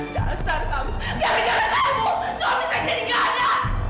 gak asal kamu gara gara kamu suami saya jadi ganda